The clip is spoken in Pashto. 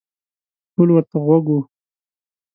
ټول ورته غوږ وو.